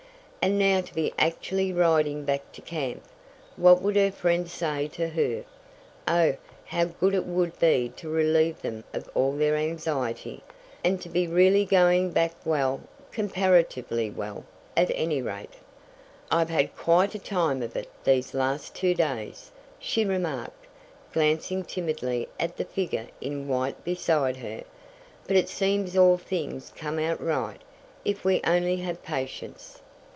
And now to be actually riding back to camp! What would her friends say to her? Oh, how good it would be to relieve them of all their anxiety, and to be really going back well comparatively well, at any rate. "I've had quite a time of it these last two days," she remarked, glancing timidly at the figure in white beside her, "but it seems all things come out right if we only have patience."